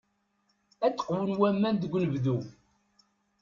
Ad qwun waman deg unebdu.